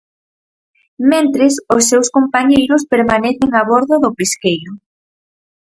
Mentres, os seus compañeiros permanecen a bordo do pesqueiro.